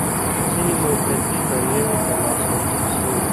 ځيني موقتي بریاوي ترلاسه سوې